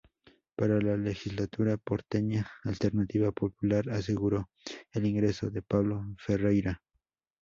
Para la Legislatura porteña, Alternativa Popular aseguró el ingreso de Pablo Ferreyra.